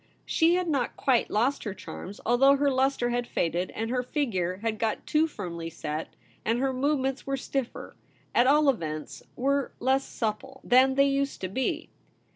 She had not quite lost her charms, although her lustre had faded, and her figure had got too firmly set, and her movements were stiffer— at all events, were less supple — than they used to be.